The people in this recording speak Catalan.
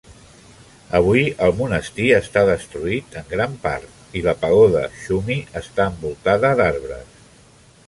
Avui el monestir està destruït en gran part i la pagoda Xumi està envoltada d'arbres.